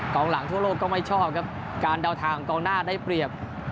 หลังทั่วโลกก็ไม่ชอบครับการเดาทางของกองหน้าได้เปรียบ